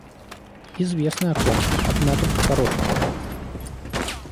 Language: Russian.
Известно о ком: одна только хорошенькая.